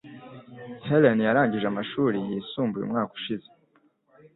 Helen yarangije amashuri yisumbuye umwaka ushize.